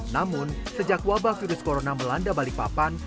namun sejak wabah virus corona melanda balikpapan